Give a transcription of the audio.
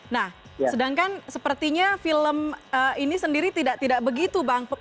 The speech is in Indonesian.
nah sedangkan sepertinya film ini sendiri tidak begitu bang